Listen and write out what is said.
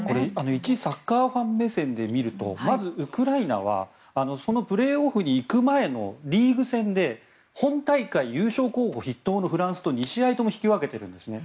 一サッカーファン目線で見るとまずウクライナはそのプレーオフに行く前のリーグ戦で本大会優勝候補筆頭のフランスと２試合とも引き分けているんですね。